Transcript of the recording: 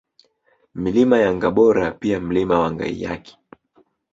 Milima ya Ngabora pia Mlima wa Ngaiyaki